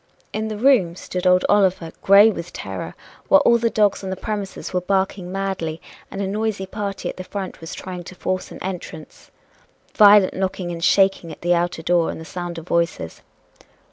In the room stood old Oliver, gray with terror, while all the dogs on the premises were barking madly, and a noisy party at the front was trying to force an entrance. Violent knocking and shaking at the outer door and the sound of voices.